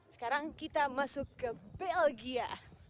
sekarang kita masuk ke belgia